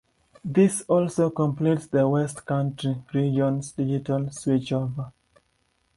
This also completes the West Country region's digital switchover.